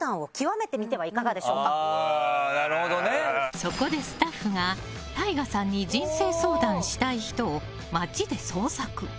そこでスタッフがＴＡＩＧＡさんに人生相談したい人を街で捜索。